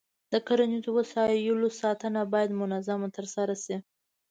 د کرنیزو وسایلو ساتنه باید منظم ترسره شي.